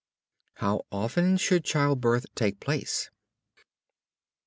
HOW OFTEN SHOULD CHILDBIRTH TAKE PLACE?